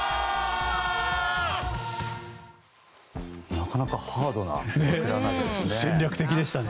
なかなかハードなまくら投げでしたね。